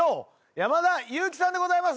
山田裕貴さんでございます。